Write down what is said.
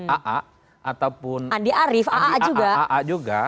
aa ataupun andi arief aa juga